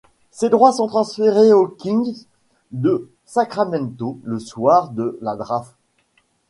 Ses droits sont transféré aux Kings de Sacramento le soir de la draft.